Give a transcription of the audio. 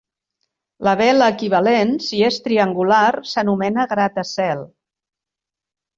La vela equivalent, si és triangular, s'anomena gratacel.